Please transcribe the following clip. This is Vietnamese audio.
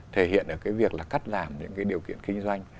thể hiện ở cái việc là cắt giảm những cái điều kiện kinh doanh